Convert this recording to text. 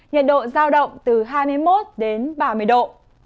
nhiệt độ giao động từ hai mươi một đến ba mươi độ